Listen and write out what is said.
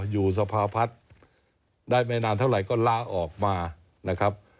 อยู่สภาพัฒน์ได้ไม่นานเท่าไหร่ก็ล่าออกมานะครับ